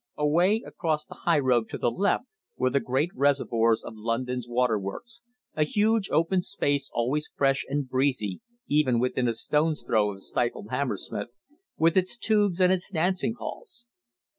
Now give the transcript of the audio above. Away across the high road to the left were the great reservoirs of London's water works, a huge open space always fresh and breezy even within a stone's throw of stifled Hammersmith, with its "tubes" and its dancing halls.